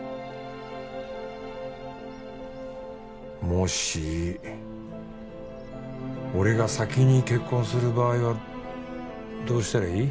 もし俺が先に結婚する場合はどうしたらいい？